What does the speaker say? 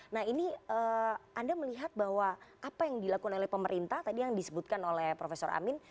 nah ini anda melihat bahwa apa yang dilakukan oleh pemerintah tadi yang disebutkan oleh prof amin